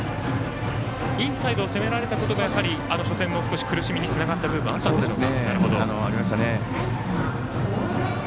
インサイドを攻められたことが初戦の苦しみにつながった部分もあったんでしょうね。